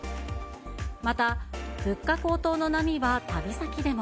また、物価高騰の波は旅先でも。